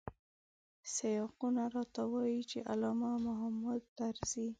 سیاقونه راته وايي چې علامه محمود طرزی.